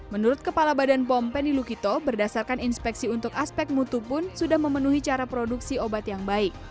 menurut kepala badan pom penny lukito berdasarkan inspeksi untuk aspek mutu pun sudah memenuhi cara produksi obat yang baik